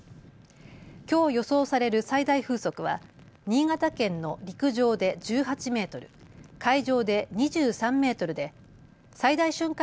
きょう予想される最大風速は新潟県の陸上で１８メートル、海上で２３メートルで最大瞬間